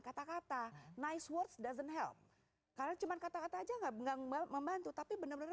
kata kata nice words doesn't help karena cuman kata kata aja nggak mengambil membantu tapi bener